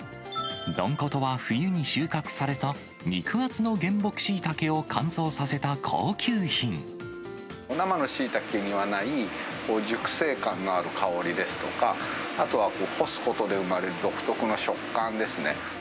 どんことは、冬に収穫された肉厚の原木シイタケを乾燥させた高級生のシイタケにはない、熟成感のある香りですとか、あとは干すことで生まれる独特の食感ですね。